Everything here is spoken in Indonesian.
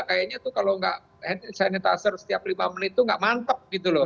kayaknya tuh kalau nggak hand sanitizer setiap lima menit itu nggak mantep gitu loh